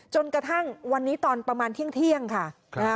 จนกระทั่งวันนี้ตอนประมาณเที่ยงค่ะ